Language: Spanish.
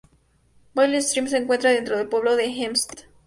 Valley Stream se encuentra dentro del pueblo de Hempstead.